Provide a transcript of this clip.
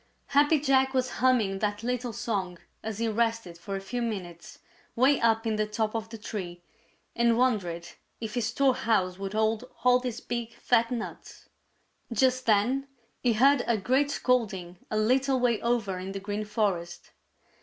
Happy Jack was humming that little song as he rested for a few minutes 'way up in the top of the tree and wondered if his storehouse would hold all these big, fat nuts. Just then he heard a great scolding a little way over in the Green Forest.